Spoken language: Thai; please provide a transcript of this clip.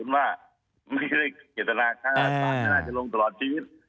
ไม่ได้เกตนาคาไม่น่าจะลงตลอดชีวิต